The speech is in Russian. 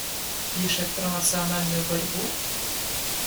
Пишет про национальную борьбу?